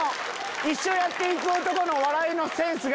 一生やっていく男の笑いのセンス。